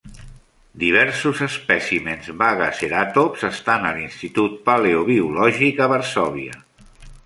Diversos espècimens "Bagaceratops" estan a l'institut Paleobiològic a Varsòvia.